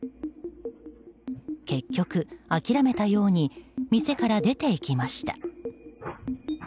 結局、諦めたように店から出て行きました。